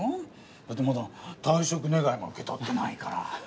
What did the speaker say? だってまだ退職願も受け取ってないから。